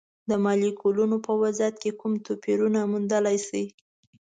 د مالیکولونو په وضعیت کې کوم توپیرونه موندلی شئ؟